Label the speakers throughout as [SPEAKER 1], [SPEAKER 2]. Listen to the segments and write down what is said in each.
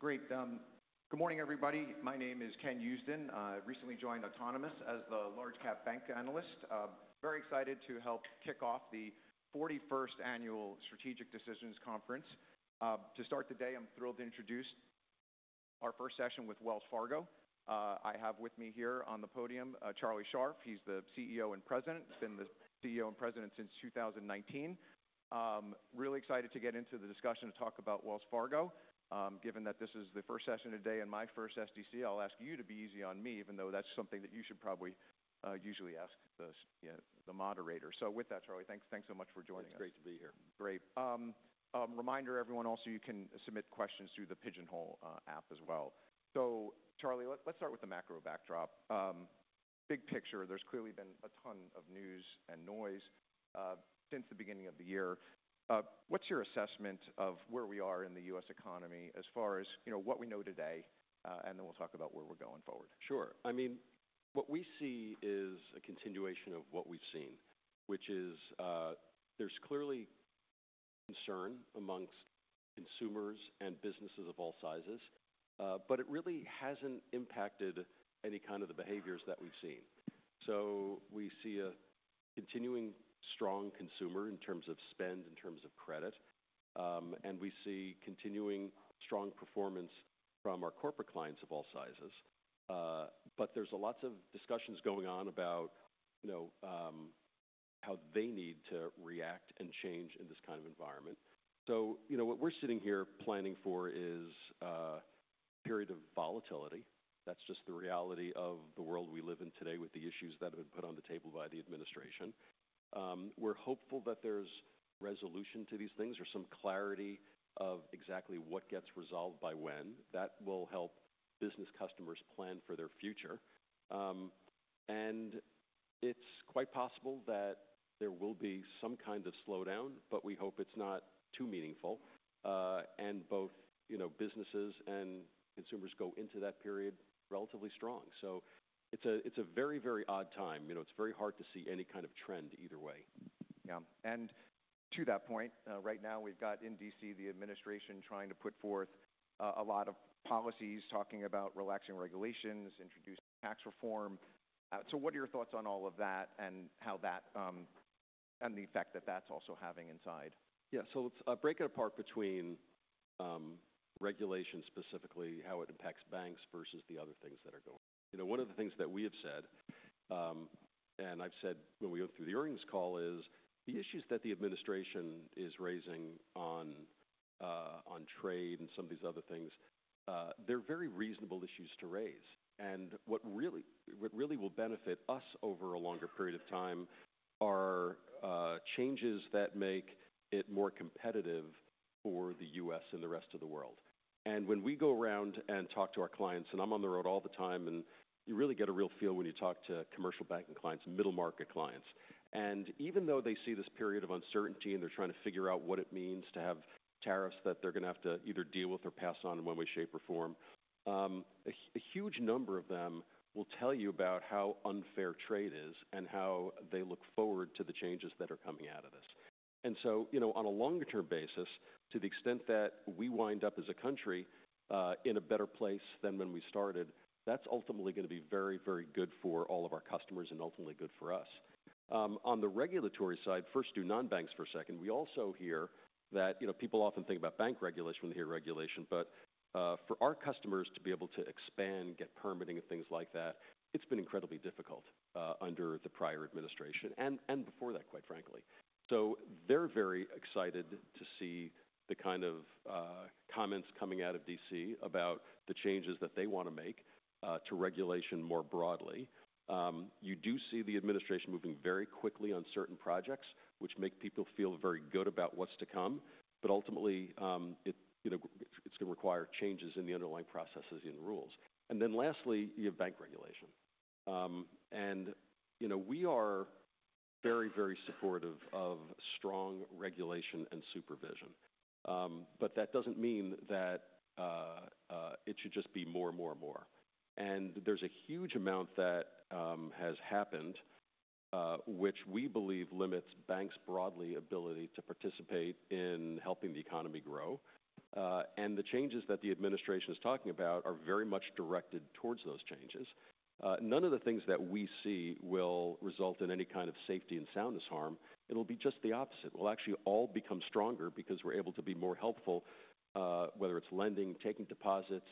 [SPEAKER 1] Great. Good morning, everybody. My name is Ken Usdin. Recently joined Autonomous as the large-cap bank analyst. Very excited to help kick off the 41st annual strategic decisions conference. To start the day, I'm thrilled to introduce our first session with Wells Fargo. I have with me here on the podium, Charlie Scharf. He's the CEO and President, been the CEO and President since 2019. Really excited to get into the discussion to talk about Wells Fargo. Given that this is the first session today and my first SDC, I'll ask you to be easy on me, even though that's something that you should probably, usually ask the, yeah, the moderator. With that, Charlie, thanks, thanks so much for joining us.
[SPEAKER 2] It's great to be here.
[SPEAKER 1] Great. Reminder everyone, also you can submit questions through the Pigeonhole app as well. So Charlie, let's start with the macro backdrop. Big picture, there's clearly been a ton of news and noise since the beginning of the year. What's your assessment of where we are in the U.S. economy as far as, you know, what we know today? And then we'll talk about where we're going forward.
[SPEAKER 2] Sure. I mean, what we see is a continuation of what we've seen, which is, there's clearly concern amongst consumers and businesses of all sizes. It really hasn't impacted any kind of the behaviors that we've seen. We see a continuing strong consumer in terms of spend, in terms of credit. We see continuing strong performance from our corporate clients of all sizes. There are lots of discussions going on about, you know, how they need to react and change in this kind of environment. You know, what we're sitting here planning for is a period of volatility. That's just the reality of the world we live in today with the issues that have been put on the table by the administration. We're hopeful that there's resolution to these things. There's some clarity of exactly what gets resolved by when. That will help business customers plan for their future. It's quite possible that there will be some kind of slowdown, but we hope it's not too meaningful. Both, you know, businesses and consumers go into that period relatively strong. It is a very, very odd time. You know, it's very hard to see any kind of trend either way.
[SPEAKER 1] Yeah. And to that point, right now we've got in D.C. the administration trying to put forth a lot of policies talking about relaxing regulations, introducing tax reform. So what are your thoughts on all of that and how that, and the effect that that's also having inside?
[SPEAKER 2] Yeah. Let's break it apart between regulation specifically, how it impacts banks versus the other things that are going. You know, one of the things that we have said, and I've said when we went through the earnings call is the issues that the administration is raising on trade and some of these other things, they're very reasonable issues to raise. What really will benefit us over a longer period of time are changes that make it more competitive for the U.S. and the rest of the world. When we go around and talk to our clients, and I'm on the road all the time, you really get a real feel when you talk to commercial banking clients, middle market clients. Even though they see this period of uncertainty and they're trying to figure out what it means to have tariffs that they're gonna have to either deal with or pass on in one way, shape, or form, a huge number of them will tell you about how unfair trade is and how they look forward to the changes that are coming out of this. You know, on a longer-term basis, to the extent that we wind up as a country in a better place than when we started, that's ultimately gonna be very, very good for all of our customers and ultimately good for us. On the regulatory side, first do non-banks for a second. We also hear that, you know, people often think about bank regulation when they hear regulation, but, for our customers to be able to expand, get permitting, and things like that, it's been incredibly difficult, under the prior administration and, and before that, quite frankly. So they're very excited to see the kind of, comments coming out of D.C. about the changes that they wanna make, to regulation more broadly. You do see the administration moving very quickly on certain projects, which make people feel very good about what's to come. Ultimately, it, you know, it's gonna require changes in the underlying processes and rules. Lastly, you have bank regulation. And, you know, we are very, very supportive of strong regulation and supervision. But that doesn't mean that, it should just be more and more and more. There's a huge amount that has happened, which we believe limits banks broadly' ability to participate in helping the economy grow. The changes that the administration is talking about are very much directed towards those changes. None of the things that we see will result in any kind of safety and soundness harm. It'll be just the opposite. We'll actually all become stronger because we're able to be more helpful, whether it's lending, taking deposits,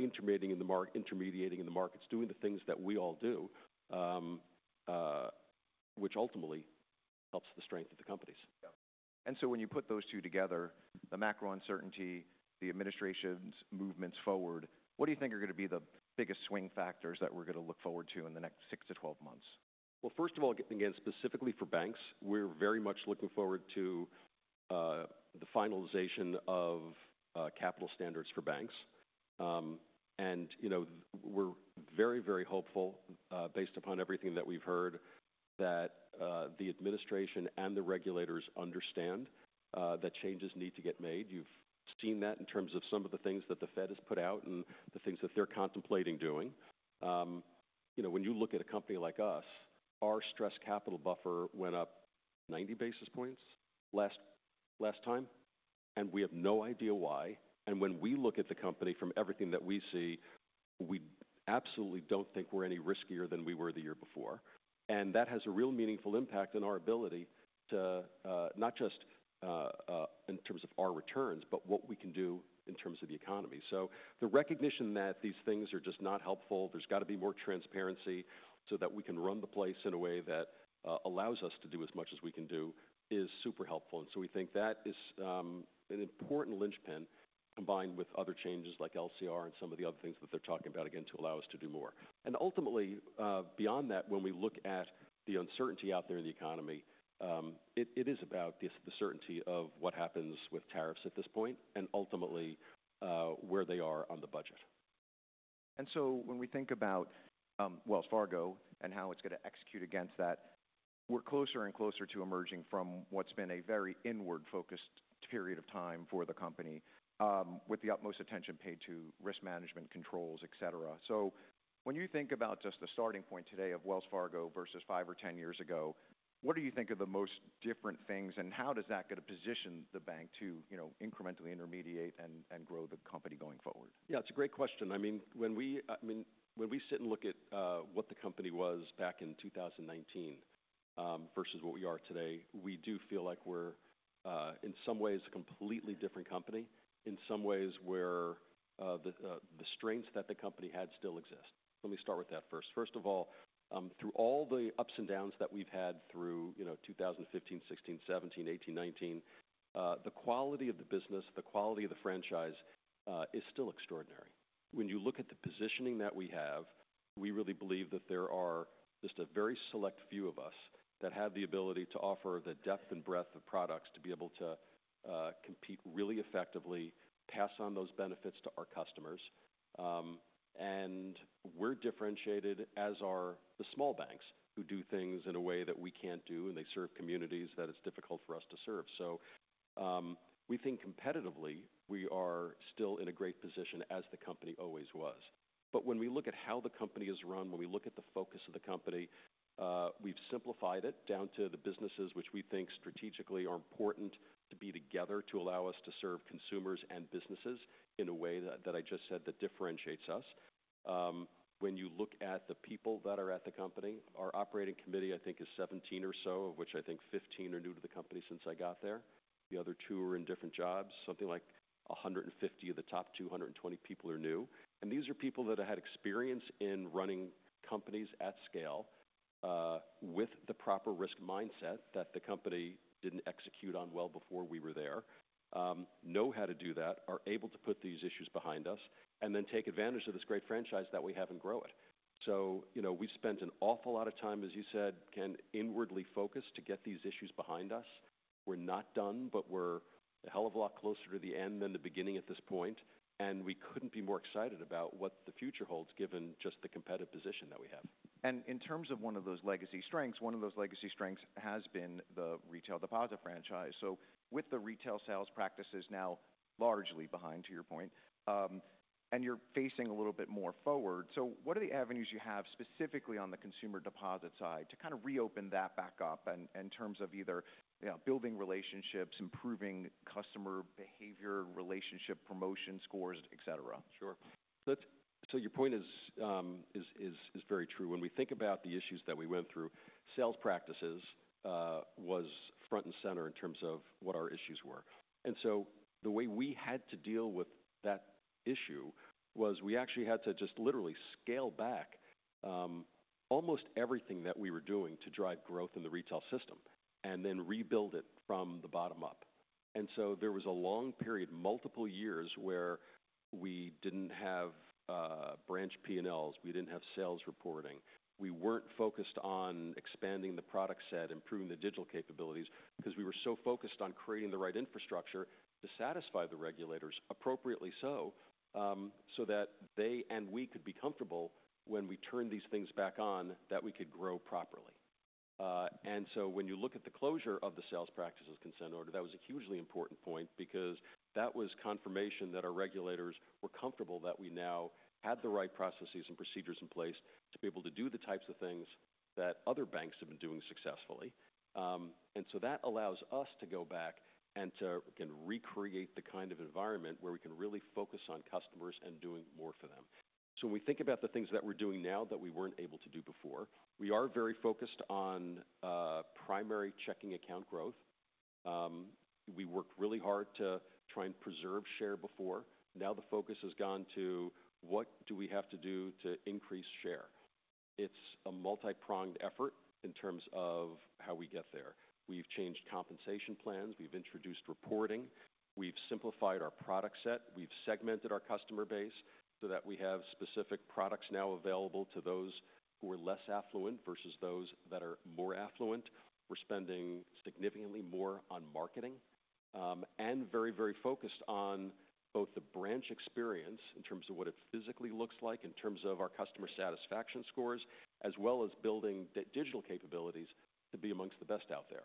[SPEAKER 2] intermediating in the markets, doing the things that we all do, which ultimately helps the strength of the companies.
[SPEAKER 1] Yeah. When you put those two together, the macro uncertainty, the administration's movements forward, what do you think are gonna be the biggest swing factors that we're gonna look forward to in the next 6-12 months?
[SPEAKER 2] First of all, again, specifically for banks, we're very much looking forward to the finalization of capital standards for banks. You know, we're very, very hopeful, based upon everything that we've heard, that the administration and the regulators understand that changes need to get made. You've seen that in terms of some of the things that the Fed has put out and the things that they're contemplating doing. You know, when you look at a company like us, our stress capital buffer went up 90 basis points last time, and we have no idea why. When we look at the company from everything that we see, we absolutely don't think we're any riskier than we were the year before. That has a real meaningful impact on our ability to, not just, in terms of our returns, but what we can do in terms of the economy. The recognition that these things are just not helpful, there's gotta be more transparency so that we can run the place in a way that allows us to do as much as we can do is super helpful. We think that is an important linchpin combined with other changes like LCR and some of the other things that they're talking about again to allow us to do more. Ultimately, beyond that, when we look at the uncertainty out there in the economy, it is about the certainty of what happens with tariffs at this point and ultimately, where they are on the budget.
[SPEAKER 1] When we think about Wells Fargo and how it's gonna execute against that, we're closer and closer to emerging from what's been a very inward-focused period of time for the company, with the utmost attention paid to risk management controls, et cetera. When you think about just the starting point today of Wells Fargo versus five or 10 years ago, what do you think are the most different things and how is that gonna position the bank to, you know, incrementally intermediate and grow the company going forward?
[SPEAKER 2] Yeah. It's a great question. I mean, when we, I mean, when we sit and look at what the company was back in 2019, versus what we are today, we do feel like we're, in some ways a completely different company. In some ways, the strains that the company had still exist. Let me start with that first. First of all, through all the ups and downs that we've had through, you know, 2015, 2016, 2017, 2018, 2019, the quality of the business, the quality of the franchise, is still extraordinary. When you look at the positioning that we have, we really believe that there are just a very select few of us that have the ability to offer the depth and breadth of products to be able to compete really effectively, pass on those benefits to our customers. We're differentiated as are the small banks who do things in a way that we can't do, and they serve communities that it's difficult for us to serve. We think competitively we are still in a great position as the company always was. When we look at how the company is run, when we look at the focus of the company, we've simplified it down to the businesses which we think strategically are important to be together to allow us to serve consumers and businesses in a way that, that I just said that differentiates us. When you look at the people that are at the company, our operating committee, I think, is 17 or so, of which I think 15 are new to the company since I got there. The other two are in different jobs. Something like 150 of the top 220 people are new. These are people that have had experience in running companies at scale, with the proper risk mindset that the company did not execute on well before we were there, know how to do that, are able to put these issues behind us, and then take advantage of this great franchise that we have and grow it. You know, we have spent an awful lot of time, as you said, Ken, inwardly focused to get these issues behind us. We are not done, but we are a hell of a lot closer to the end than the beginning at this point. We could not be more excited about what the future holds given just the competitive position that we have.
[SPEAKER 1] In terms of one of those legacy strengths, one of those legacy strengths has been the retail deposit franchise. With the retail sales practices now largely behind, to your point, and you're facing a little bit more forward. What are the avenues you have specifically on the consumer deposit side to kind of reopen that back up and, in terms of either, you know, building relationships, improving customer behavior, relationship promotion scores, et cetera?
[SPEAKER 2] Sure. Your point is very true. When we think about the issues that we went through, sales practices was front and center in terms of what our issues were. The way we had to deal with that issue was we actually had to just literally scale back almost everything that we were doing to drive growth in the retail system and then rebuild it from the bottom up. There was a long period, multiple years, where we did not have branch P&Ls, we did not have sales reporting, we were not focused on expanding the product set, improving the digital capabilities because we were so focused on creating the right infrastructure to satisfy the regulators appropriately so that they and we could be comfortable when we turned these things back on that we could grow properly. When you look at the closure of the sales practices consent order, that was a hugely important point because that was confirmation that our regulators were comfortable that we now had the right processes and procedures in place to be able to do the types of things that other banks have been doing successfully. That allows us to go back and to, again, recreate the kind of environment where we can really focus on customers and doing more for them. When we think about the things that we're doing now that we weren't able to do before, we are very focused on primary checking account growth. We worked really hard to try and preserve share before. Now the focus has gone to what do we have to do to increase share. It's a multi-pronged effort in terms of how we get there. We've changed compensation plans. We've introduced reporting. We've simplified our product set. We've segmented our customer base so that we have specific products now available to those who are less affluent versus those that are more affluent. We're spending significantly more on marketing, and very, very focused on both the branch experience in terms of what it physically looks like, in terms of our customer satisfaction scores, as well as building the digital capabilities to be amongst the best out there.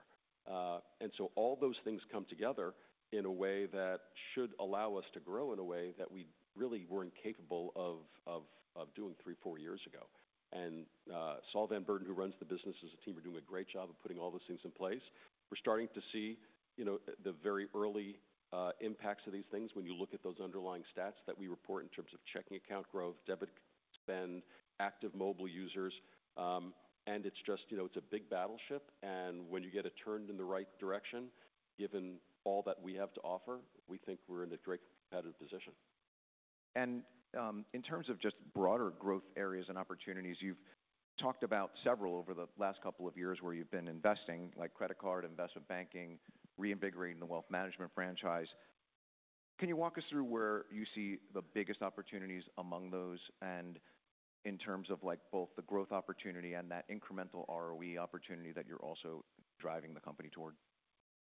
[SPEAKER 2] All those things come together in a way that should allow us to grow in a way that we really weren't capable of doing three, four years ago. Solvay and Burden, who run the business as a team, are doing a great job of putting all those things in place. We're starting to see, you know, the very early impacts of these things when you look at those underlying stats that we report in terms of checking account growth, debit spend, active mobile users. And it's just, you know, it's a big battleship. When you get it turned in the right direction, given all that we have to offer, we think we're in a great competitive position.
[SPEAKER 1] In terms of just broader growth areas and opportunities, you've talked about several over the last couple of years where you've been investing, like credit card, investment banking, reinvigorating the wealth management franchise. Can you walk us through where you see the biggest opportunities among those and in terms of, like, both the growth opportunity and that incremental ROE opportunity that you're also driving the company toward?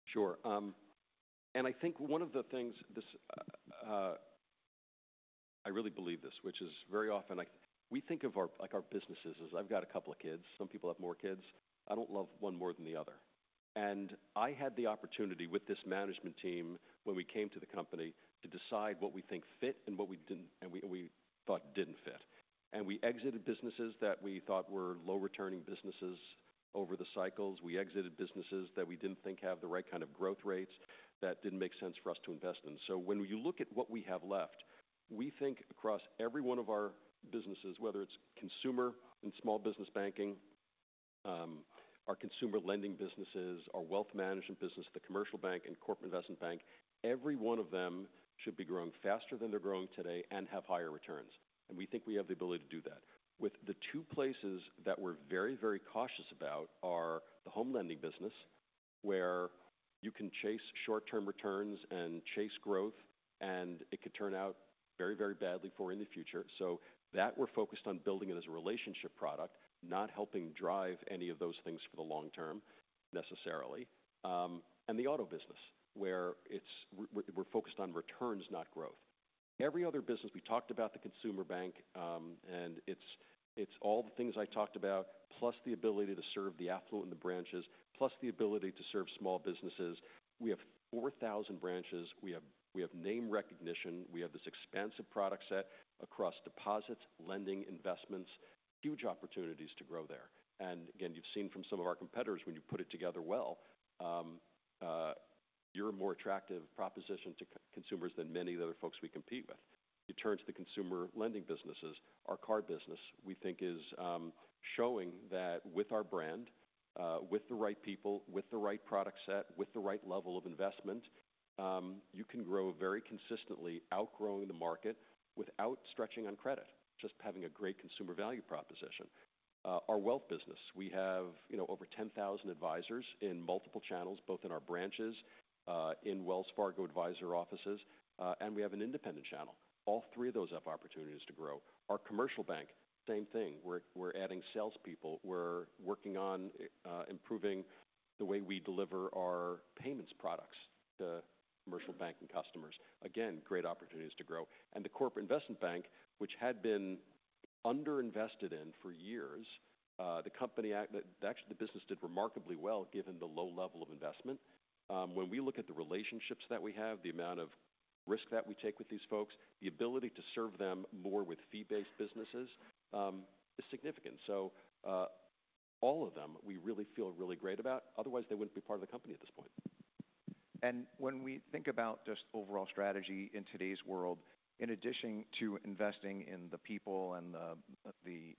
[SPEAKER 2] Sure. I think one of the things, I really believe this, which is very often I think we think of our, like, our businesses as I've got a couple of kids. Some people have more kids. I don't love one more than the other. I had the opportunity with this management team when we came to the company to decide what we think fit and what we didn't and we thought didn't fit. We exited businesses that we thought were low-returning businesses over the cycles. We exited businesses that we didn't think had the right kind of growth rates that didn't make sense for us to invest in. When you look at what we have left, we think across every one of our businesses, whether it's consumer and small business banking, our consumer lending businesses, our wealth management business, the commercial bank, and corporate investment bank, every one of them should be growing faster than they're growing today and have higher returns. We think we have the ability to do that. The two places that we're very, very cautious about are the home lending business, where you can chase short-term returns and chase growth, and it could turn out very, very badly for you in the future. We are focused on building it as a relationship product, not helping drive any of those things for the long term necessarily, and the auto business, where we're focused on returns, not growth. Every other business we talked about, the consumer bank, and it's all the things I talked about, plus the ability to serve the affluent and the branches, plus the ability to serve small businesses. We have 4,000 branches. We have name recognition. We have this expansive product set across deposits, lending, investments, huge opportunities to grow there. You have seen from some of our competitors, when you put it together well, you are a more attractive proposition to consumers than many of the other folks we compete with. You turn to the consumer lending businesses. Our card business, we think, is showing that with our brand, with the right people, with the right product set, with the right level of investment, you can grow very consistently, outgrowing the market without stretching on credit, just having a great consumer value proposition. Our wealth business, we have, you know, over 10,000 advisors in multiple channels, both in our branches, in Wells Fargo Advisor offices, and we have an independent channel. All three of those have opportunities to grow. Our commercial bank, same thing. We're adding salespeople. We're working on improving the way we deliver our payments products to commercial banking customers. Again, great opportunities to grow. The corporate investment bank, which had been underinvested in for years, the company actually, the business did remarkably well given the low level of investment. When we look at the relationships that we have, the amount of risk that we take with these folks, the ability to serve them more with fee-based businesses, is significant. All of them, we really feel really great about. Otherwise, they wouldn't be part of the company at this point.
[SPEAKER 1] When we think about just overall strategy in today's world, in addition to investing in the people and the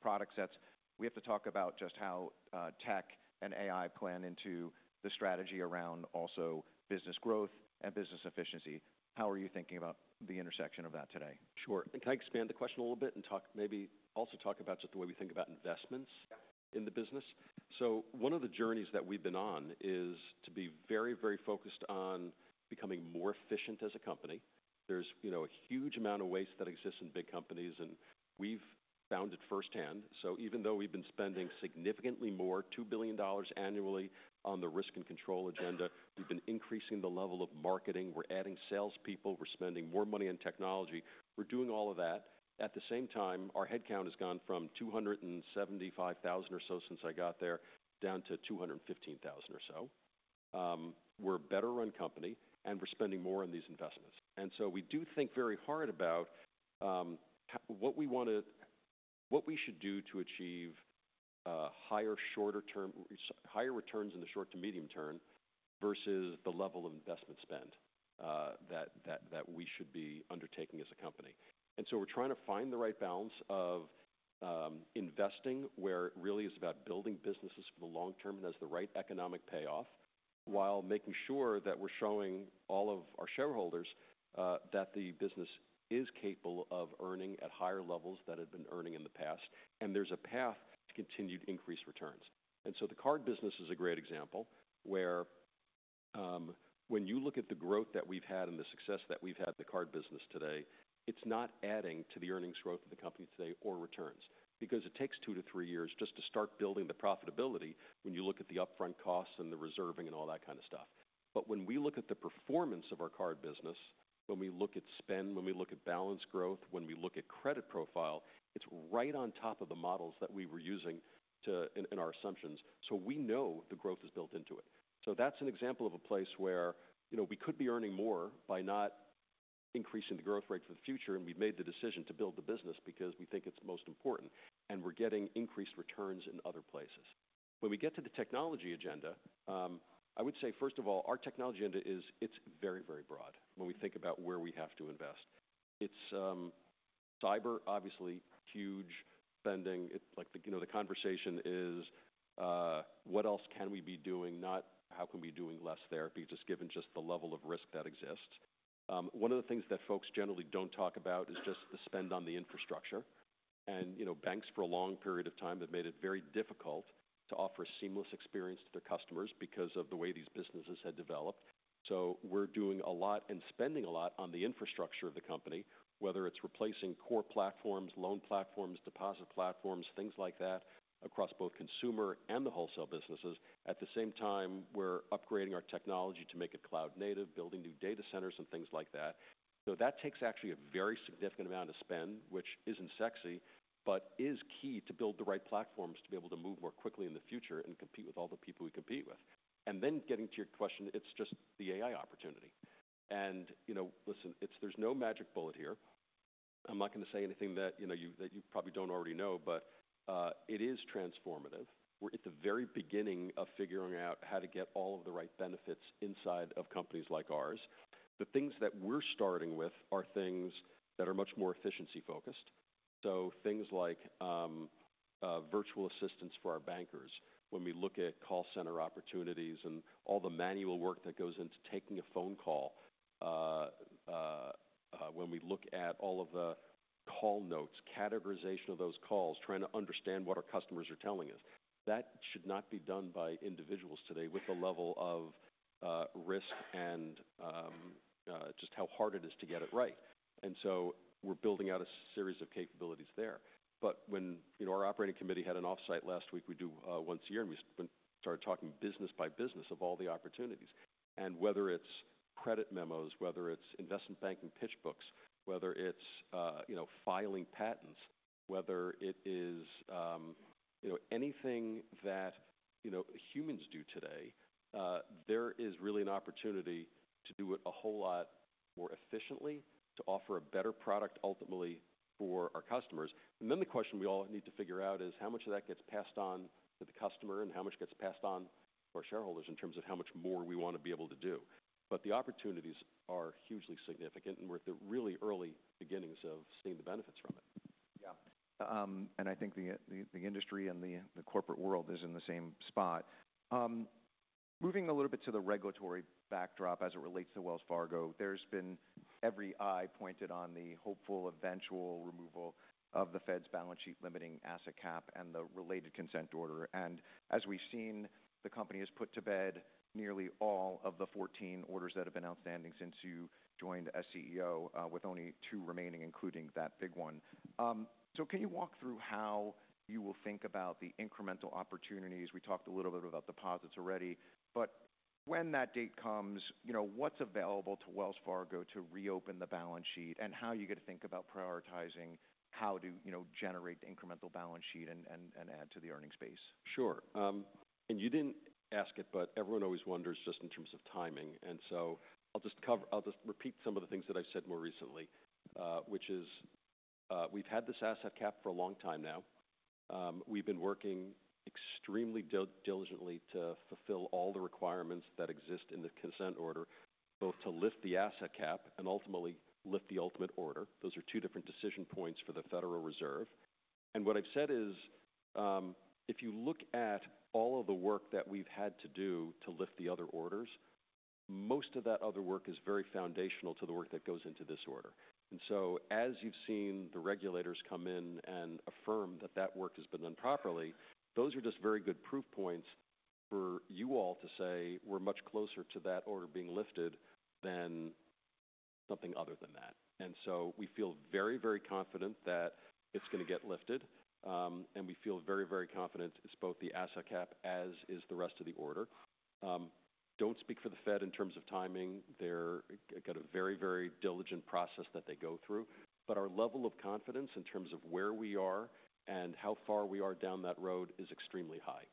[SPEAKER 1] product sets, we have to talk about just how tech and AI play into the strategy around also business growth and business efficiency. How are you thinking about the intersection of that today?
[SPEAKER 2] Sure. Can I expand the question a little bit and talk maybe also talk about just the way we think about investments in the business? One of the journeys that we've been on is to be very, very focused on becoming more efficient as a company. There's, you know, a huge amount of waste that exists in big companies, and we've found it firsthand. Even though we've been spending significantly more, $2 billion annually, on the risk and control agenda, we've been increasing the level of marketing. We're adding salespeople. We're spending more money on technology. We're doing all of that. At the same time, our headcount has gone from 275,000 or so since I got there down to 215,000 or so. We're a better-run company, and we're spending more on these investments. We do think very hard about what we want to, what we should do to achieve higher shorter-term, higher returns in the short to medium term versus the level of investment spend that we should be undertaking as a company. We are trying to find the right balance of investing where it really is about building businesses for the long term and has the right economic payoff while making sure that we are showing all of our shareholders that the business is capable of earning at higher levels than it had been earning in the past, and there is a path to continued increased returns. The card business is a great example where, when you look at the growth that we've had and the success that we've had in the card business today, it's not adding to the earnings growth of the company today or returns because it takes two to three years just to start building the profitability when you look at the upfront costs and the reserving and all that kind of stuff. When we look at the performance of our card business, when we look at spend, when we look at balance growth, when we look at credit profile, it's right on top of the models that we were using in our assumptions. We know the growth is built into it. That's an example of a place where, you know, we could be earning more by not increasing the growth rate for the future, and we've made the decision to build the business because we think it's most important, and we're getting increased returns in other places. When we get to the technology agenda, I would say, first of all, our technology agenda is, it's very, very broad when we think about where we have to invest. It's cyber, obviously, huge spending. It's like the, you know, the conversation is, what else can we be doing, not how can we be doing less there just given just the level of risk that exists. One of the things that folks generally don't talk about is just the spend on the infrastructure. You know, banks for a long period of time have made it very difficult to offer a seamless experience to their customers because of the way these businesses had developed. We are doing a lot and spending a lot on the infrastructure of the company, whether it's replacing core platforms, loan platforms, deposit platforms, things like that across both consumer and the wholesale businesses. At the same time, we are upgrading our technology to make it cloud-native, building new data centers and things like that. That takes actually a very significant amount of spend, which is not sexy but is key to build the right platforms to be able to move more quickly in the future and compete with all the people we compete with. Getting to your question, it is just the AI opportunity. You know, listen, there is no magic bullet here. I'm not going to say anything that, you know, you probably don't already know, but it is transformative. We're at the very beginning of figuring out how to get all of the right benefits inside of companies like ours. The things that we're starting with are things that are much more efficiency-focused. Things like virtual assistance for our bankers when we look at call center opportunities and all the manual work that goes into taking a phone call, when we look at all of the call notes, categorization of those calls, trying to understand what our customers are telling us. That should not be done by individuals today with the level of risk and just how hard it is to get it right. We are building out a series of capabilities there. When, you know, our operating committee had an offsite last week, we do, once a year, and we started talking business by business of all the opportunities. Whether it's credit memos, whether it's investment banking pitch books, whether it's, you know, filing patents, whether it is, you know, anything that, you know, humans do today, there is really an opportunity to do it a whole lot more efficiently, to offer a better product ultimately for our customers. The question we all need to figure out is how much of that gets passed on to the customer and how much gets passed on to our shareholders in terms of how much more we want to be able to do. The opportunities are hugely significant, and we're at the really early beginnings of seeing the benefits from it.
[SPEAKER 1] Yeah. I think the industry and the corporate world is in the same spot. Moving a little bit to the regulatory backdrop as it relates to Wells Fargo, there's been every eye pointed on the hopeful eventual removal of the Fed's balance sheet limiting asset cap and the related consent order. As we've seen, the company has put to bed nearly all of the 14 orders that have been outstanding since you joined as CEO, with only two remaining, including that big one. Can you walk through how you will think about the incremental opportunities? We talked a little bit about deposits already, but when that date comes, you know, what's available to Wells Fargo to reopen the balance sheet and how you get to think about prioritizing how to, you know, generate the incremental balance sheet and add to the earnings base?
[SPEAKER 2] Sure. You did not ask it, but everyone always wonders just in terms of timing. I will just cover, I will just repeat some of the things that I have said more recently, which is, we have had this asset cap for a long time now. We have been working extremely diligently to fulfill all the requirements that exist in the consent order, both to lift the asset cap and ultimately lift the ultimate order. Those are two different decision points for the Federal Reserve. What I have said is, if you look at all of the work that we have had to do to lift the other orders, most of that other work is very foundational to the work that goes into this order. As you've seen the regulators come in and affirm that that work has been done properly, those are just very good proof points for you all to say we're much closer to that order being lifted than something other than that. We feel very, very confident that it's going to get lifted. We feel very, very confident it's both the asset cap as is the rest of the order. I don't speak for the Fed in terms of timing. They've got a very, very diligent process that they go through. Our level of confidence in terms of where we are and how far we are down that road is extremely high.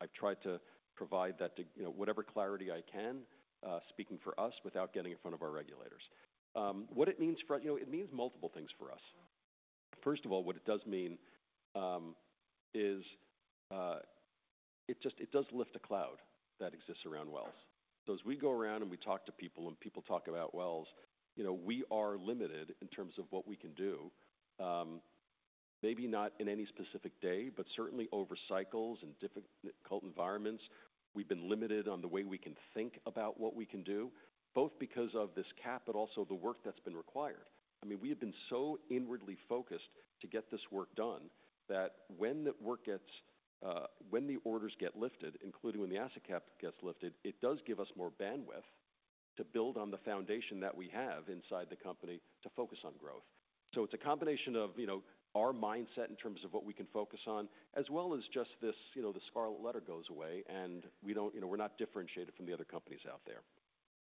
[SPEAKER 2] I've tried to provide that to, you know, whatever clarity I can, speaking for us without getting in front of our regulators. what it means for, you know, it means multiple things for us. First of all, what it does mean is, it just it does lift a cloud that exists around Wells. As we go around and we talk to people and people talk about Wells, you know, we are limited in terms of what we can do. Maybe not in any specific day, but certainly over cycles and difficult environments, we've been limited on the way we can think about what we can do, both because of this cap but also the work that's been required. I mean, we have been so inwardly focused to get this work done that when the work gets, when the orders get lifted, including when the asset cap gets lifted, it does give us more bandwidth to build on the foundation that we have inside the company to focus on growth. It's a combination of, you know, our mindset in terms of what we can focus on, as well as just this, you know, the scarlet letter goes away and we don't, you know, we're not differentiated from the other companies out there.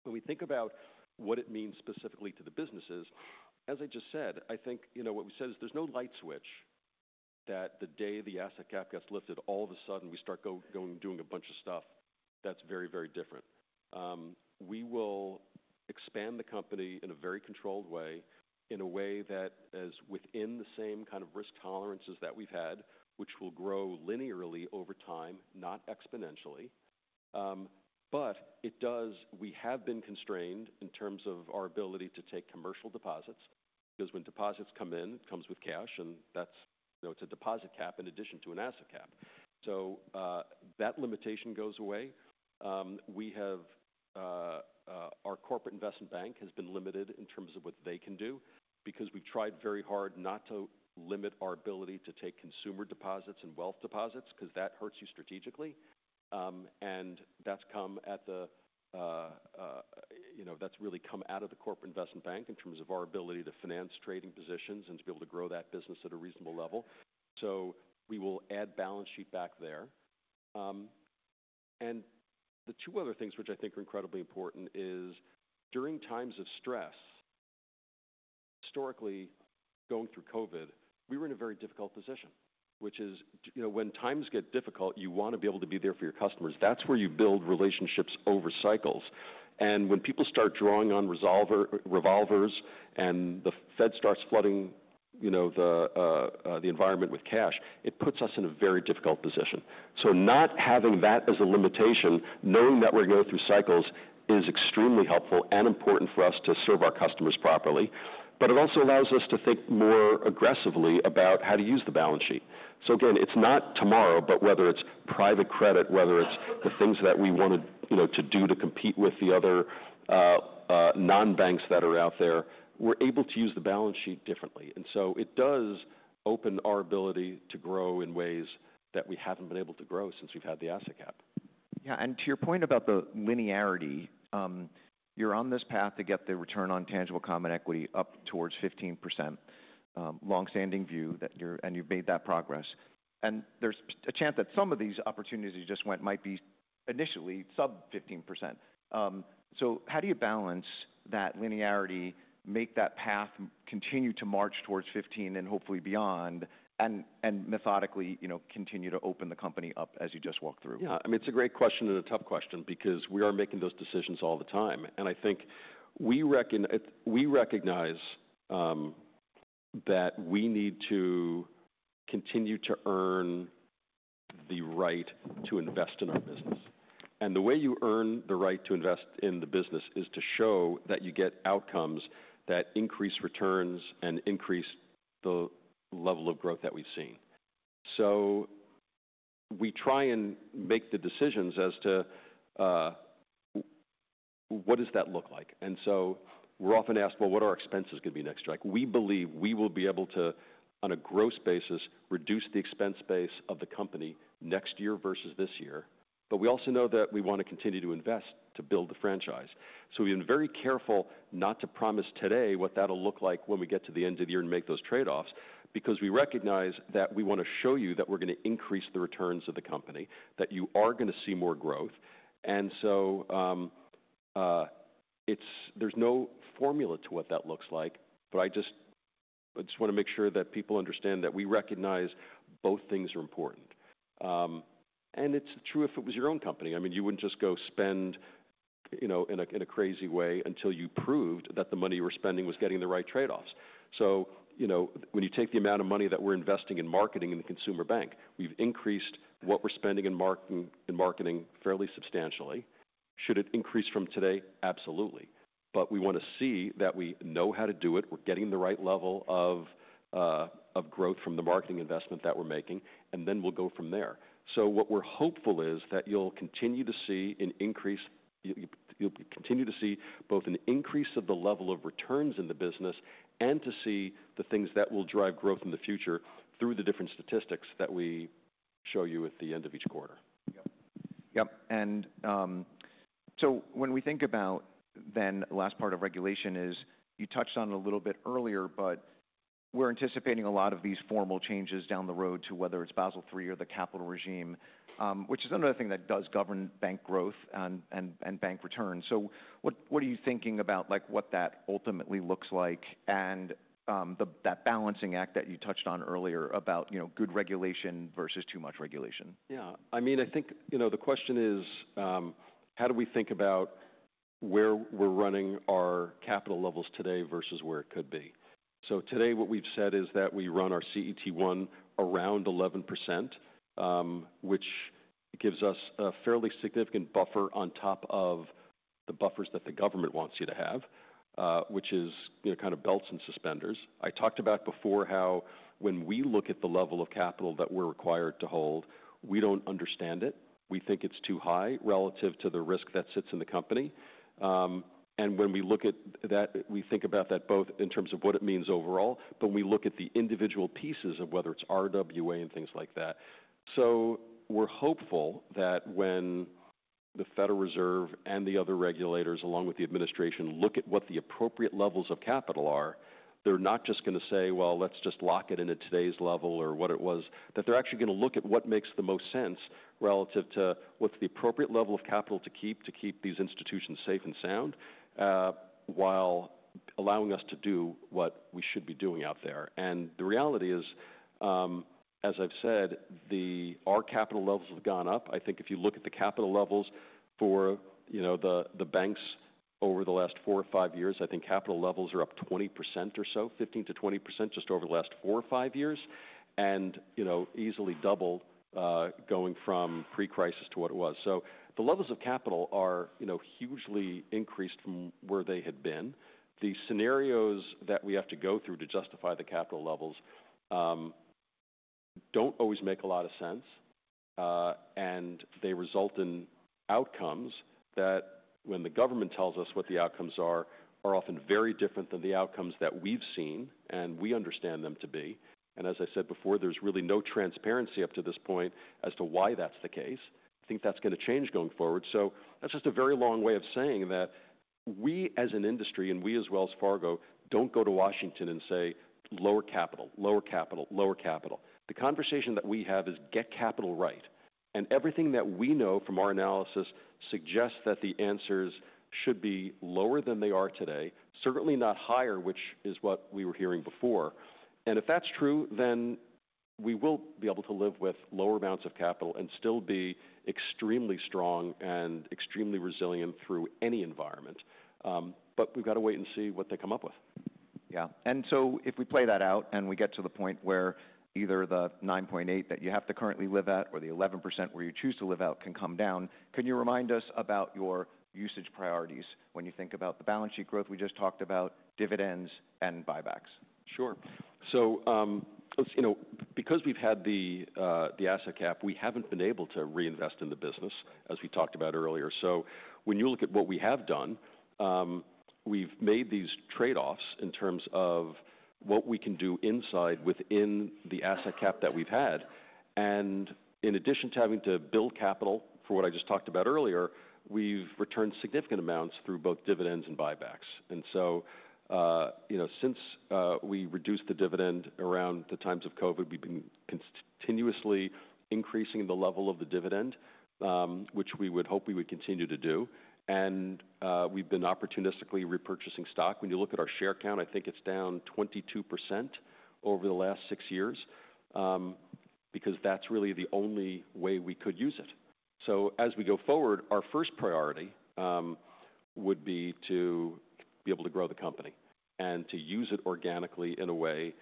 [SPEAKER 2] When we think about what it means specifically to the businesses, as I just said, I think, you know, what we said is there's no light switch that the day the asset cap gets lifted, all of a sudden we start going, doing a bunch of stuff that's very, very different. We will expand the company in a very controlled way, in a way that is within the same kind of risk tolerances that we've had, which will grow linearly over time, not exponentially. It does. We have been constrained in terms of our ability to take commercial deposits because when deposits come in, it comes with cash, and that's, you know, it's a deposit cap in addition to an asset cap. That limitation goes away. We have, our corporate investment bank has been limited in terms of what they can do because we've tried very hard not to limit our ability to take consumer deposits and wealth deposits because that hurts you strategically. That's really come out of the corporate investment bank in terms of our ability to finance trading positions and to be able to grow that business at a reasonable level. We will add balance sheet back there. and the two other things which I think are incredibly important is during times of stress, historically going through COVID, we were in a very difficult position, which is, you know, when times get difficult, you want to be able to be there for your customers. That's where you build relationships over cycles. And when people start drawing on revolvers and the Fed starts flooding, you know, the, the environment with cash, it puts us in a very difficult position. Not having that as a limitation, knowing that we're going through cycles is extremely helpful and important for us to serve our customers properly, but it also allows us to think more aggressively about how to use the balance sheet. Again, it's not tomorrow, but whether it's private credit, whether it's the things that we wanted, you know, to do to compete with the other non-banks that are out there, we're able to use the balance sheet differently. It does open our ability to grow in ways that we haven't been able to grow since we've had the asset cap.
[SPEAKER 1] Yeah. And to your point about the linearity, you're on this path to get the return on tangible common equity up towards 15%. Long-standing view that you're and you've made that progress. And there's a chance that some of these opportunities you just went might be initially sub 15%. So how do you balance that linearity, make that path continue to march towards 15% and hopefully beyond, and, and methodically, you know, continue to open the company up as you just walked through?
[SPEAKER 2] Yeah. I mean, it's a great question and a tough question because we are making those decisions all the time. I think we recognize, we recognize, that we need to continue to earn the right to invest in our business. The way you earn the right to invest in the business is to show that you get outcomes that increase returns and increase the level of growth that we've seen. We try and make the decisions as to, what does that look like? We're often asked, well, what are our expenses going to be next year? Like, we believe we will be able to, on a gross basis, reduce the expense base of the company next year versus this year. We also know that we want to continue to invest to build the franchise. We've been very careful not to promise today what that'll look like when we get to the end of the year and make those trade-offs because we recognize that we want to show you that we're going to increase the returns of the company, that you are going to see more growth. It's, there's no formula to what that looks like, but I just, I just want to make sure that people understand that we recognize both things are important. It's true if it was your own company. I mean, you wouldn't just go spend, you know, in a, in a crazy way until you proved that the money you were spending was getting the right trade-offs. You know, when you take the amount of money that we're investing in marketing in the consumer bank, we've increased what we're spending in marketing, in marketing fairly substantially. Should it increase from today? Absolutely. We want to see that we know how to do it. We're getting the right level of growth from the marketing investment that we're making, and then we'll go from there. What we're hopeful is that you'll continue to see an increase. You'll continue to see both an increase of the level of returns in the business and to see the things that will drive growth in the future through the different statistics that we show you at the end of each quarter.
[SPEAKER 1] Yep. Yep. When we think about then the last part of regulation, you touched on it a little bit earlier, but we're anticipating a lot of these formal changes down the road to whether it's Basel III or the capital regime, which is another thing that does govern bank growth and, and, and bank returns. What are you thinking about, like, what that ultimately looks like and that balancing act that you touched on earlier about, you know, good regulation versus too much regulation?
[SPEAKER 2] Yeah. I mean, I think, you know, the question is, how do we think about where we're running our capital levels today versus where it could be? So today what we've said is that we run our CET1 around 11%, which gives us a fairly significant buffer on top of the buffers that the government wants you to have, which is, you know, kind of belts and suspenders. I talked about before how when we look at the level of capital that we're required to hold, we don't understand it. We think it's too high relative to the risk that sits in the company. And when we look at that, we think about that both in terms of what it means overall, but we look at the individual pieces of whether it's RWA and things like that. We're hopeful that when the Federal Reserve and the other regulators, along with the administration, look at what the appropriate levels of capital are, they're not just going to say, well, let's just lock it into today's level or what it was, that they're actually going to look at what makes the most sense relative to what's the appropriate level of capital to keep, to keep these institutions safe and sound, while allowing us to do what we should be doing out there. The reality is, as I've said, our capital levels have gone up. I think if you look at the capital levels for, you know, the banks over the last four or five years, I think capital levels are up 20% or so, 15-20% just over the last four or five years and, you know, easily double, going from pre-crisis to what it was. The levels of capital are, you know, hugely increased from where they had been. The scenarios that we have to go through to justify the capital levels, do not always make a lot of sense, and they result in outcomes that when the government tells us what the outcomes are, are often very different than the outcomes that we have seen and we understand them to be. As I said before, there is really no transparency up to this point as to why that is the case. I think that is going to change going forward. That is just a very long way of saying that we as an industry and we as Wells Fargo do not go to Washington and say, lower capital, lower capital, lower capital. The conversation that we have is get capital right. Everything that we know from our analysis suggests that the answers should be lower than they are today, certainly not higher, which is what we were hearing before. If that is true, then we will be able to live with lower amounts of capital and still be extremely strong and extremely resilient through any environment. We have to wait and see what they come up with.
[SPEAKER 1] Yeah. If we play that out and we get to the point where either the 9.8% that you have to currently live at or the 11% where you choose to live at can come down, can you remind us about your usage priorities when you think about the balance sheet growth we just talked about, dividends and buybacks?
[SPEAKER 2] Sure. Let's, you know, because we've had the asset cap, we haven't been able to reinvest in the business as we talked about earlier. When you look at what we have done, we've made these trade-offs in terms of what we can do inside within the asset cap that we've had. In addition to having to build capital for what I just talked about earlier, we've returned significant amounts through both dividends and buybacks. You know, since we reduced the dividend around the times of COVID, we've been continuously increasing the level of the dividend, which we would hope we would continue to do. We've been opportunistically repurchasing stock. When you look at our share count, I think it's down 22% over the last six years, because that's really the only way we could use it. As we go forward, our first priority would be to be able to grow the company and to use it organically in a way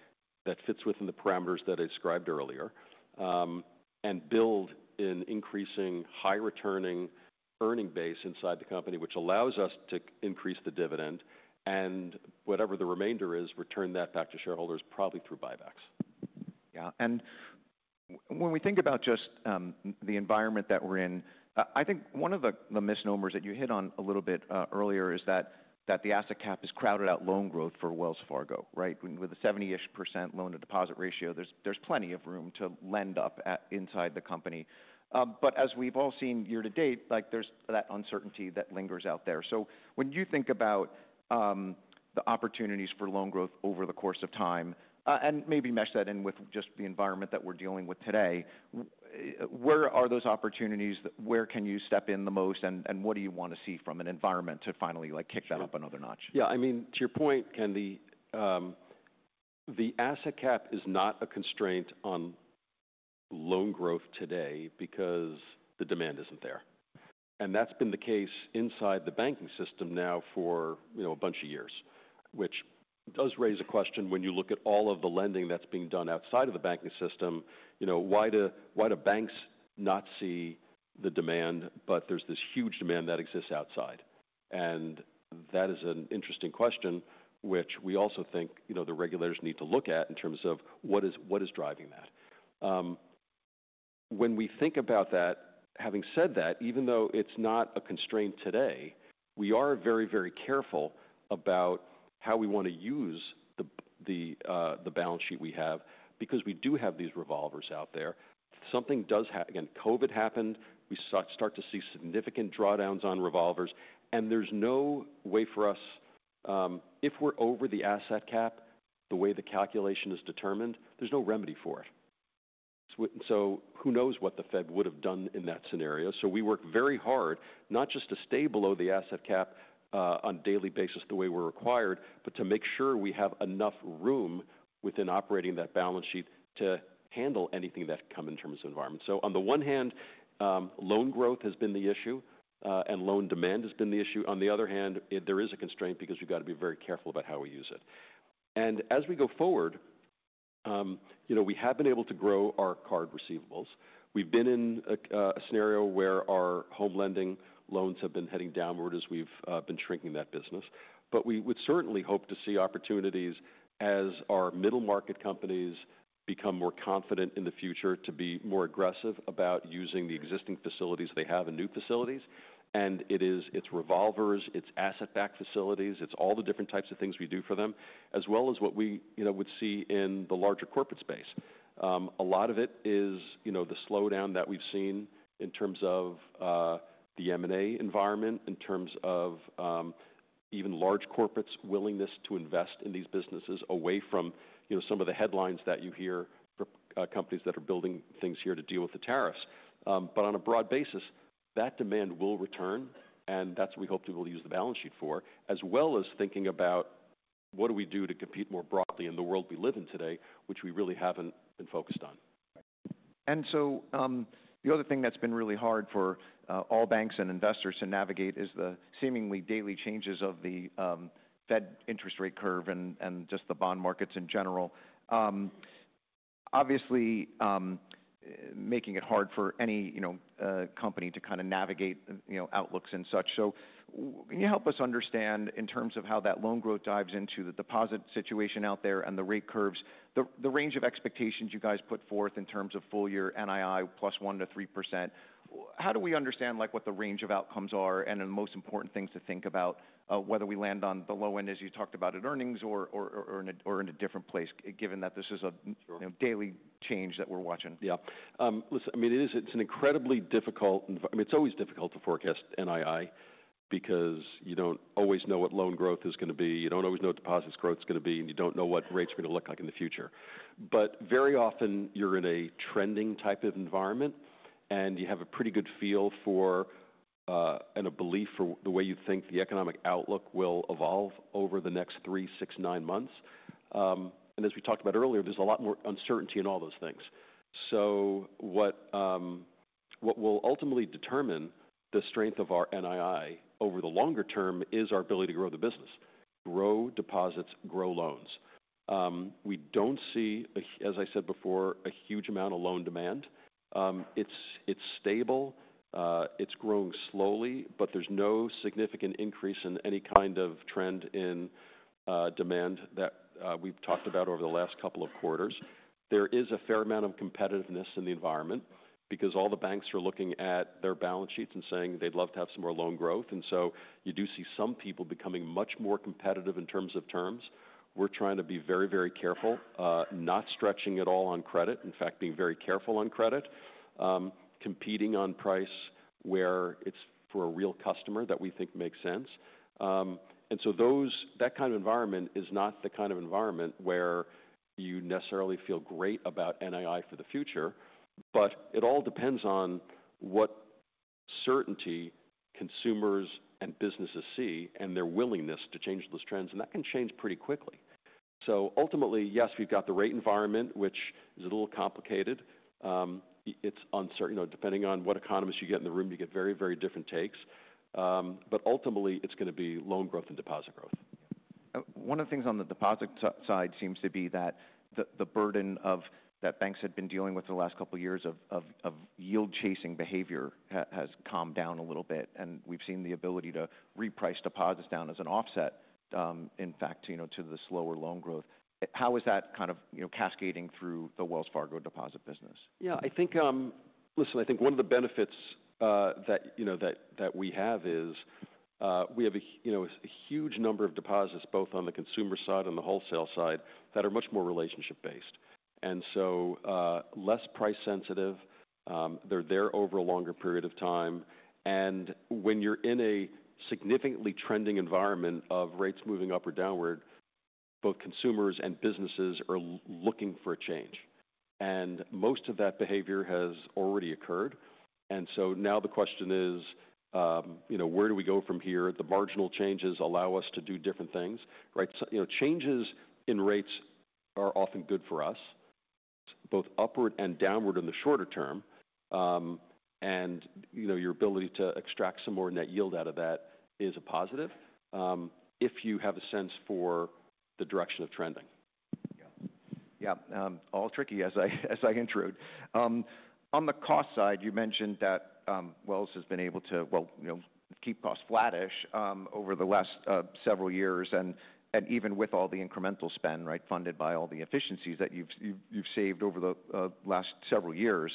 [SPEAKER 2] that fits within the parameters that I described earlier, and build an increasing high returning earning base inside the company, which allows us to increase the dividend and whatever the remainder is, return that back to shareholders probably through buybacks.
[SPEAKER 1] Yeah. When we think about just the environment that we're in, I think one of the misnomers that you hit on a little bit earlier is that the asset cap has crowded out loan growth for Wells Fargo, right? With a 70% loan to deposit ratio, there's plenty of room to lend up inside the company. As we've all seen year to date, there's that uncertainty that lingers out there. When you think about the opportunities for loan growth over the course of time, and maybe mesh that in with just the environment that we're dealing with today, where are those opportunities? Where can you step in the most and what do you want to see from an environment to finally kick that up another notch?
[SPEAKER 2] Yeah. I mean, to your point, Ken, the asset cap is not a constraint on loan growth today because the demand isn't there. And that's been the case inside the banking system now for, you know, a bunch of years, which does raise a question when you look at all of the lending that's being done outside of the banking system, you know, why do, why do banks not see the demand, but there's this huge demand that exists outside? And that is an interesting question, which we also think, you know, the regulators need to look at in terms of what is, what is driving that. When we think about that, having said that, even though it's not a constraint today, we are very, very careful about how we want to use the, the, the balance sheet we have because we do have these revolvers out there. Something does happen, again, COVID happened, we start to see significant drawdowns on revolvers, and there's no way for us, if we're over the asset cap, the way the calculation is determined, there's no remedy for it. Who knows what the Fed would have done in that scenario? We work very hard, not just to stay below the asset cap, on a daily basis the way we're required, but to make sure we have enough room within operating that balance sheet to handle anything that could come in terms of environment. On the one hand, loan growth has been the issue, and loan demand has been the issue. On the other hand, there is a constraint because we've got to be very careful about how we use it. As we go forward, you know, we have been able to grow our card receivables. We've been in a scenario where our home lending loans have been heading downward as we've been shrinking that business. We would certainly hope to see opportunities as our middle market companies become more confident in the future to be more aggressive about using the existing facilities they have and new facilities. It is revolvers, it is asset back facilities, it is all the different types of things we do for them, as well as what we, you know, would see in the larger corporate space. A lot of it is, you know, the slowdown that we've seen in terms of the M&A environment, in terms of even large corporates' willingness to invest in these businesses away from, you know, some of the headlines that you hear for companies that are building things here to deal with the tariffs. On a broad basis, that demand will return, and that's what we hope to use the balance sheet for, as well as thinking about what do we do to compete more broadly in the world we live in today, which we really haven't been focused on.
[SPEAKER 1] The other thing that's been really hard for all banks and investors to navigate is the seemingly daily changes of the Fed interest rate curve and just the bond markets in general. Obviously, making it hard for any, you know, company to kind of navigate, you know, outlooks and such. Can you help us understand in terms of how that loan growth dives into the deposit situation out there and the rate curves, the range of expectations you guys put forth in terms of full year NII plus 1-3%? How do we understand, like, what the range of outcomes are and the most important things to think about, whether we land on the low end, as you talked about in earnings or in a different place, given that this is a, you know, daily change that we're watching?
[SPEAKER 2] Yeah. Listen, I mean, it is, it's an incredibly difficult, I mean, it's always difficult to forecast NII because you don't always know what loan growth is going to be. You don't always know what deposits growth is going to be, and you don't know what rates are going to look like in the future. Very often you're in a trending type of environment, and you have a pretty good feel for, and a belief for the way you think the economic outlook will evolve over the next three, six, nine months. As we talked about earlier, there's a lot more uncertainty in all those things. What will ultimately determine the strength of our NII over the longer term is our ability to grow the business. Grow deposits, grow loans. We don't see, as I said before, a huge amount of loan demand. It's, it's stable. It's growing slowly, but there's no significant increase in any kind of trend in demand that we've talked about over the last couple of quarters. There is a fair amount of competitiveness in the environment because all the banks are looking at their balance sheets and saying they'd love to have some more loan growth. You do see some people becoming much more competitive in terms of terms. We're trying to be very, very careful, not stretching at all on credit, in fact, being very careful on credit, competing on price where it's for a real customer that we think makes sense. That kind of environment is not the kind of environment where you necessarily feel great about NII for the future, but it all depends on what certainty consumers and businesses see and their willingness to change those trends. That can change pretty quickly. Ultimately, yes, we've got the rate environment, which is a little complicated. It's uncertain, you know, depending on what economists you get in the room, you get very, very different takes. Ultimately it's going to be loan growth and deposit growth.
[SPEAKER 1] One of the things on the deposit side seems to be that the burden that banks had been dealing with the last couple of years of yield chasing behavior has calmed down a little bit. And we've seen the ability to reprice deposits down as an offset, in fact, you know, to the slower loan growth. How is that kind of, you know, cascading through the Wells Fargo deposit business?
[SPEAKER 2] Yeah, I think, listen, I think one of the benefits that, you know, that we have is, we have a, you know, a huge number of deposits both on the consumer side and the wholesale side that are much more relationship based. So, less price sensitive, they're there over a longer period of time. When you're in a significantly trending environment of rates moving up or downward, both consumers and businesses are looking for a change. Most of that behavior has already occurred. Now the question is, you know, where do we go from here? The marginal changes allow us to do different things, right? You know, changes in rates are often good for us, both upward and downward in the shorter term. and, you know, your ability to extract some more net yield out of that is a positive, if you have a sense for the direction of trending.
[SPEAKER 1] Yeah. Yeah. All tricky as I introduce. On the cost side, you mentioned that Wells has been able to, well, you know, keep costs flattish over the last several years and even with all the incremental spend, right, funded by all the efficiencies that you've saved over the last several years.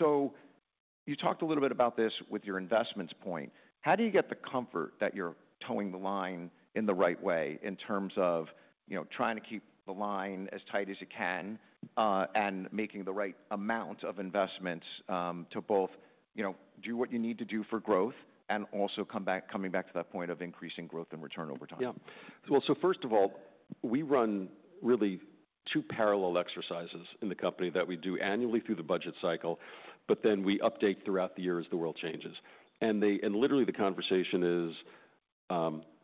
[SPEAKER 1] You talked a little bit about this with your investments point. How do you get the comfort that you're toeing the line in the right way in terms of, you know, trying to keep the line as tight as you can, and making the right amount of investments to both, you know, do what you need to do for growth and also coming back to that point of increasing growth and return over time?
[SPEAKER 2] Yeah. First of all, we run really two parallel exercises in the company that we do annually through the budget cycle, but then we update throughout the year as the world changes. They, and literally the conversation is,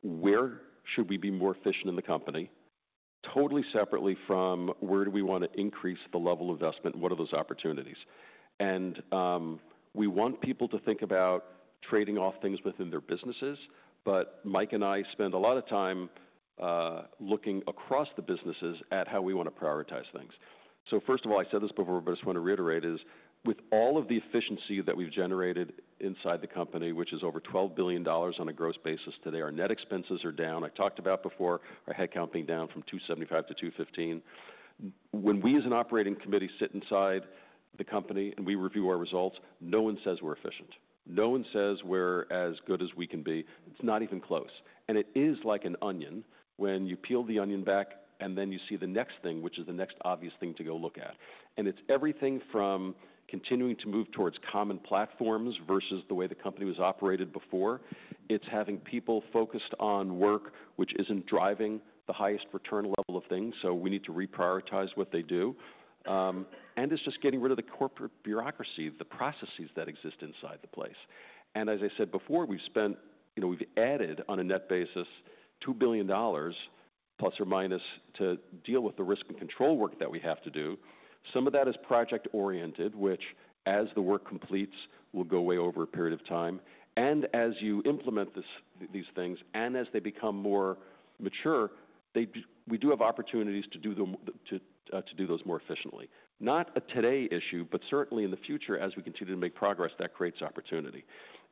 [SPEAKER 2] where should we be more efficient in the company totally separately from where do we want to increase the level of investment, what are those opportunities? We want people to think about trading off things within their businesses, but Mike and I spend a lot of time looking across the businesses at how we want to prioritize things. First of all, I said this before, but I just want to reiterate is with all of the efficiency that we've generated inside the company, which is over $12 billion on a gross basis today, our net expenses are down. I talked about before, our headcount being down from 275 to 215. When we as an operating committee sit inside the company and we review our results, no one says we're efficient. No one says we're as good as we can be. It's not even close. It is like an onion when you peel the onion back and then you see the next thing, which is the next obvious thing to go look at. It's everything from continuing to move towards common platforms versus the way the company was operated before. It's having people focused on work, which isn't driving the highest return level of things. We need to reprioritize what they do. It's just getting rid of the corporate bureaucracy, the processes that exist inside the place. As I said before, we've spent, you know, we've added on a net basis $2 billion plus or minus to deal with the risk and control work that we have to do. Some of that is project oriented, which as the work completes, will go away over a period of time. As you implement these things, and as they become more mature, we do have opportunities to do those more efficiently. Not a today issue, but certainly in the future, as we continue to make progress, that creates opportunity.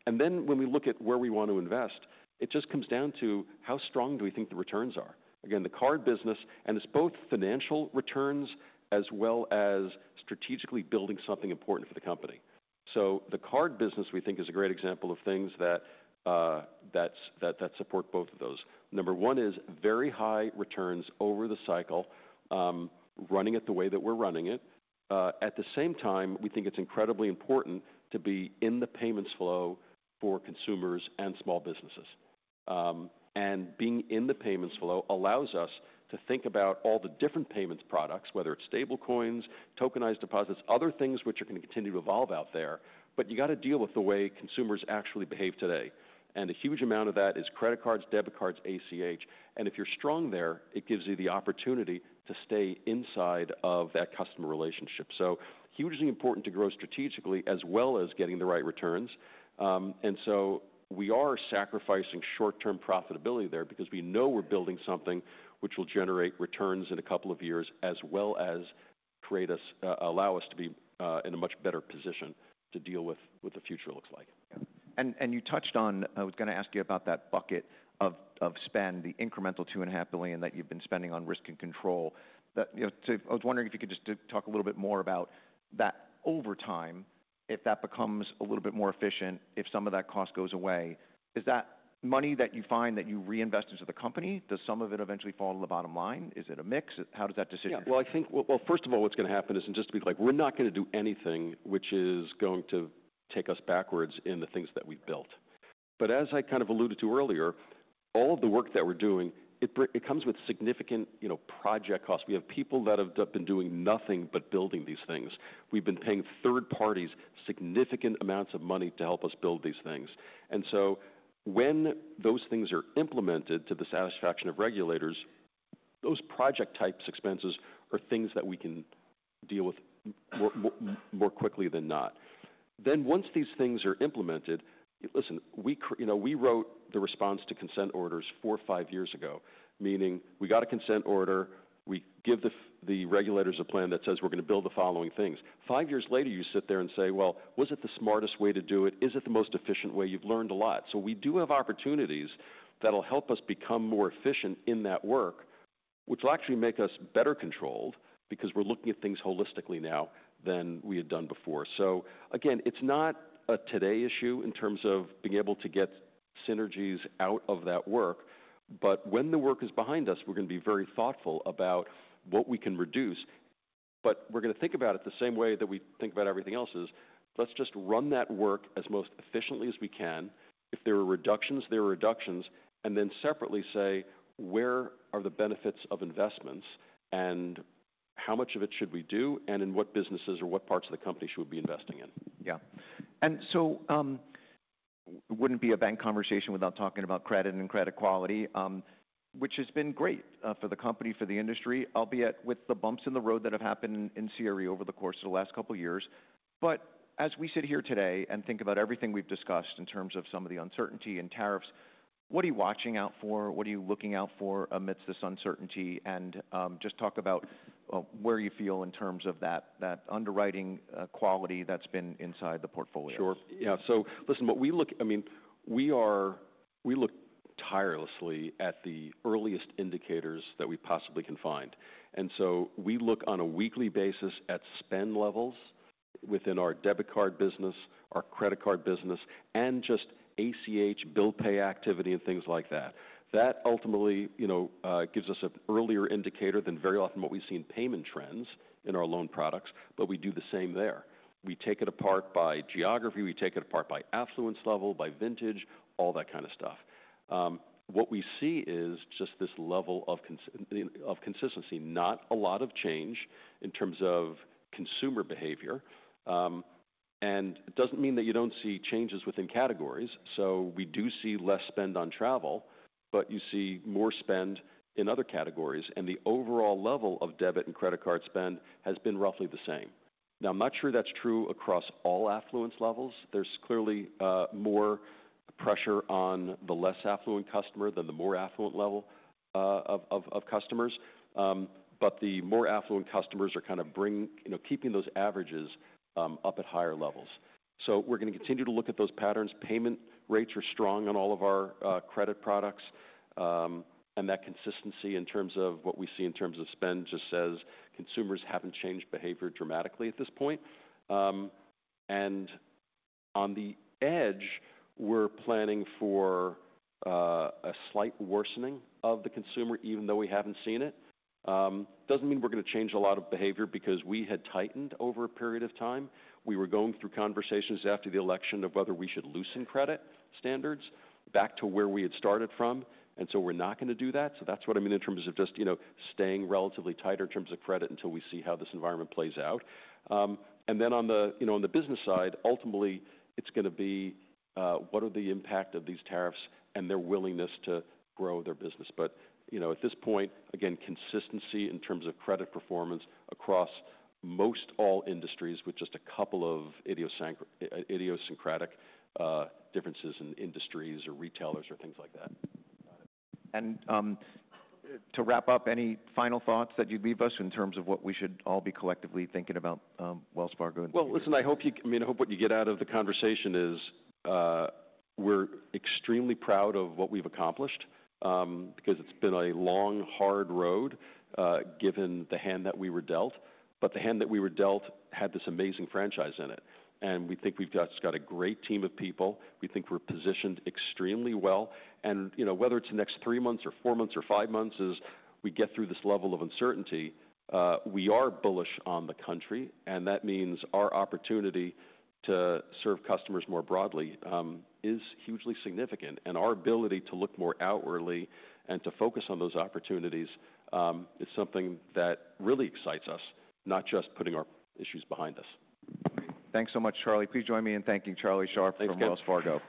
[SPEAKER 2] When we look at where we want to invest, it just comes down to how strong do we think the returns are. Again, the card business, and it's both financial returns as well as strategically building something important for the company. The card business we think is a great example of things that support both of those. Number one is very high returns over the cycle, running it the way that we're running it. At the same time, we think it's incredibly important to be in the payments flow for consumers and small businesses. Being in the payments flow allows us to think about all the different payments products, whether it's stable coins, tokenized deposits, other things which are going to continue to evolve out there, but you got to deal with the way consumers actually behave today. A huge amount of that is credit cards, debit cards, ACH. If you're strong there, it gives you the opportunity to stay inside of that customer relationship. Hugely important to grow strategically as well as getting the right returns. We are sacrificing short-term profitability there because we know we're building something which will generate returns in a couple of years as well as allow us to be in a much better position to deal with what the future looks like.
[SPEAKER 1] Yeah. You touched on, I was going to ask you about that bucket of spend, the incremental $2.5 billion that you've been spending on risk and control. You know, I was wondering if you could just talk a little bit more about that over time, if that becomes a little bit more efficient, if some of that cost goes away, is that money that you find that you reinvest into the company, does some of it eventually fall to the bottom line? Is it a mix? How does that decision?
[SPEAKER 2] Yeah. I think, first of all, what's going to happen is, and just to be like, we're not going to do anything which is going to take us backwards in the things that we've built. As I kind of alluded to earlier, all of the work that we're doing, it comes with significant, you know, project costs. We have people that have been doing nothing but building these things. We've been paying third parties significant amounts of money to help us build these things. When those things are implemented to the satisfaction of regulators, those project types expenses are things that we can deal with more quickly than not. Once these things are implemented, listen, we, you know, we wrote the response to consent orders four or five years ago, meaning we got a consent order, we give the regulators a plan that says we're going to build the following things. Five years later, you sit there and say, well, was it the smartest way to do it? Is it the most efficient way? You've learned a lot. We do have opportunities that'll help us become more efficient in that work, which will actually make us better controlled because we're looking at things holistically now than we had done before. Again, it's not a today issue in terms of being able to get synergies out of that work, but when the work is behind us, we're going to be very thoughtful about what we can reduce. We're going to think about it the same way that we think about everything else is. Let's just run that work as most efficiently as we can. If there are reductions, there are reductions, and then separately say, where are the benefits of investments and how much of it should we do and in what businesses or what parts of the company should we be investing in?
[SPEAKER 1] Yeah. It wouldn't be a bank conversation without talking about credit and credit quality, which has been great, for the company, for the industry, albeit with the bumps in the road that have happened in, in Sierra over the course of the last couple of years. As we sit here today and think about everything we've discussed in terms of some of the uncertainty and tariffs, what are you watching out for? What are you looking out for amidst this uncertainty? Just talk about where you feel in terms of that, that underwriting, quality that's been inside the portfolio.
[SPEAKER 2] Sure. Yeah. So listen, what we look, I mean, we are, we look tirelessly at the earliest indicators that we possibly can find. And so we look on a weekly basis at spend levels within our debit card business, our credit card business, and just ACH, bill pay activity and things like that. That ultimately, you know, gives us an earlier indicator than very often what we've seen payment trends in our loan products, but we do the same there. We take it apart by geography. We take it apart by affluence level, by vintage, all that kind of stuff. What we see is just this level of consistency, not a lot of change in terms of consumer behavior. And it doesn't mean that you don't see changes within categories. So we do see less spend on travel, but you see more spend in other categories. The overall level of debit and credit card spend has been roughly the same. I'm not sure that's true across all affluence levels. There's clearly more pressure on the less affluent customer than the more affluent level of customers. The more affluent customers are kind of bringing, you know, keeping those averages up at higher levels. We are going to continue to look at those patterns. Payment rates are strong on all of our credit products. That consistency in terms of what we see in terms of spend just says consumers haven't changed behavior dramatically at this point. On the edge, we are planning for a slight worsening of the consumer, even though we haven't seen it. That doesn't mean we are going to change a lot of behavior because we had tightened over a period of time. We were going through conversations after the election of whether we should loosen credit standards back to where we had started from. We are not going to do that. That is what I mean in terms of just, you know, staying relatively tight in terms of credit until we see how this environment plays out. On the business side, ultimately it is going to be, what are the impact of these tariffs and their willingness to grow their business. You know, at this point, again, consistency in terms of credit performance across most all industries with just a couple of idiosyncratic differences in industries or retailers or things like that.
[SPEAKER 1] To wrap up, any final thoughts that you'd leave us in terms of what we should all be collectively thinking about, Wells Fargo?
[SPEAKER 2] I hope you, I mean, I hope what you get out of the conversation is, we're extremely proud of what we've accomplished, because it's been a long, hard road, given the hand that we were dealt. The hand that we were dealt had this amazing franchise in it. We think we've just got a great team of people. We think we're positioned extremely well. You know, whether it's the next three months or four months or five months as we get through this level of uncertainty, we are bullish on the country. That means our opportunity to serve customers more broadly is hugely significant. Our ability to look more outwardly and to focus on those opportunities is something that really excites us, not just putting our issues behind us.
[SPEAKER 1] Thanks so much, Charlie. Please join me in thanking Charlie Scharf from Wells Fargo.